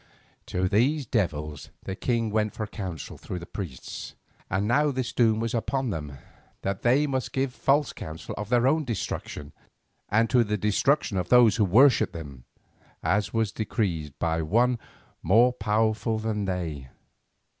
To these devils the king went for counsel through the priests, and now this doom was on them, that they must give false counsel to their own destruction, and to the destruction of those who worshipped them, as was decreed by One more powerful than they.